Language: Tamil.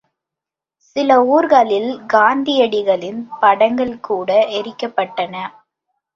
சில ஊர்களில் காந்தியடிகளின் படங்கள் கூட எரிக்கப்பட்டன.